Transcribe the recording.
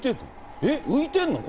えっ、浮いてるの？